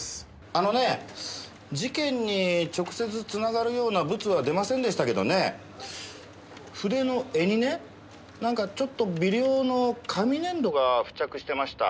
あのね事件に直接繋がるようなブツは出ませんでしたけどね筆の柄にねなんかちょっと微量の紙粘土が付着してました。